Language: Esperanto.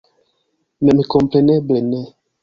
Memkompreneble ne.